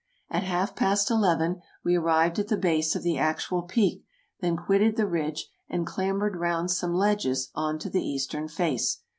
At half past eleven we arrived at the base of the actual peak, then quitted the ridge and clambered round some ledges on to the eastern face.